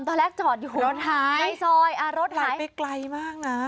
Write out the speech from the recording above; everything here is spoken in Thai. ตอนแรกจอดอยู่ในซอยอ่ารถหายไหลไปไกลมากนะ